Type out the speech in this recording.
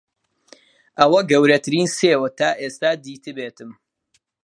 ئەوە گەورەترین سێوە تا ئێستا دیتبێتم.